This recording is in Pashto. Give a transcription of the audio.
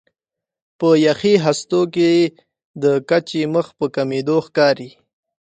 په یخي هستو کې د کچه مخ په کمېدو ښکاري.